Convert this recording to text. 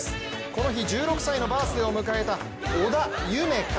この日１６歳のバースデーを迎えた織田夢海。